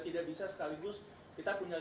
tidak bisa sekaligus kita punya